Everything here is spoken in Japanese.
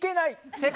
正解。